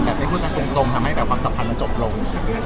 แบบไม่คุยกันจริงจงทำให้แบบความสัมภาษณ์มันจบลง